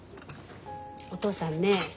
お父さんね